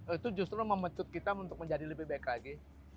itu justru memecut kita untuk menjadi lebih baik lagi